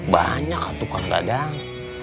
banyak kan tukang dadang